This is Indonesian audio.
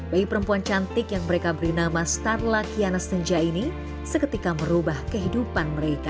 bayi perempuan cantik yang mereka beri nama starla kiana senja ini seketika merubah kehidupan mereka